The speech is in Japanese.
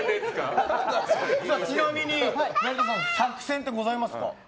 ちなみに、成田さん作戦ってございますか？